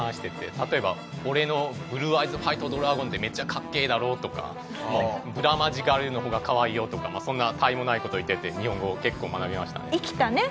例えば「俺のブルーアイズ・ホワイト・ドラゴンってめっちゃかっけーだろ」とか「ブラマジガールの方がかわいいよ」とかそんな他愛もない事を言ってて日本語を結構学びましたね。